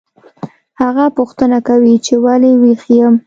هغه پوښتنه کوي چې ولې ویښ یم